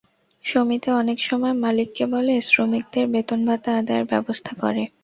সমিতি অনেক সময় মালিককে বলে শ্রমিকদের বেতন ভাতা আদায়ের ব্যবস্থা করে।